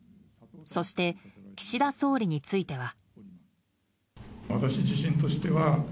そして、岸田総理については。